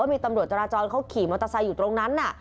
ว่ามีตำรวจจราจรเขาขี่มอเตอร์สายอยู่ตรงนั้นน่ะ